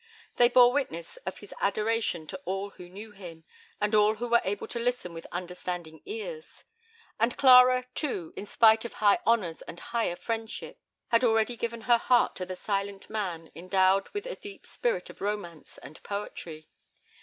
They bore witness of his adoration to all who knew him, and all who were able to listen with understanding ears. And Clara, too, in spite of high honours and higher friendships, had already given her heart to the silent man endowed with the deep spirit of romance and poetry.